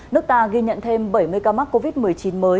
nước ta ghi nhận thêm bảy mươi ca mắc covid một mươi chín mới